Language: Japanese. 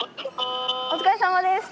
お疲れさまです。